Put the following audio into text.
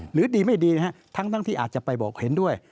หรือดีไม่ดีนะฮะทั้งที่อาจจะไปบอกเห็นด้วย